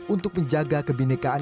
untuk menjaga kebindekaan